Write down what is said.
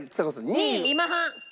２位今半！